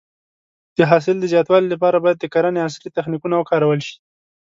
د حاصل د زیاتوالي لپاره باید د کرنې عصري تخنیکونه وکارول شي.